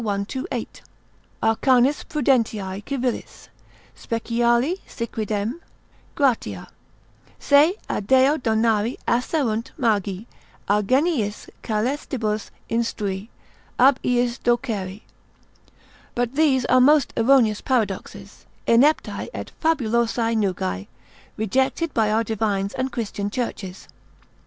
128, Arcanis prudentiae civilis, Speciali siquidem gratia, se a Deo donari asserunt magi, a Geniis caelestibus instrui, ab iis doceri. But these are most erroneous paradoxes, ineptae et fabulosae nugae, rejected by our divines and Christian churches.